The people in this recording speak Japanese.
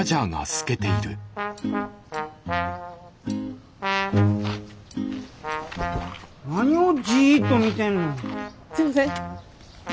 すいません。